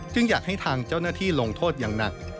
อยากให้ทางเจ้าหน้าที่ลงโทษอย่างหนัก